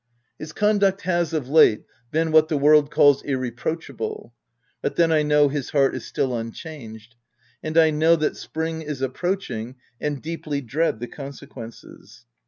His conduct has of late, been what the world calls irreproachable ; but then I know his heart is still unchanged ;— and I know that spring is approaching, and deeply dread the conse quences.